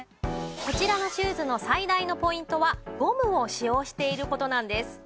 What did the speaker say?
こちらのシューズの最大のポイントはゴムを使用している事なんです。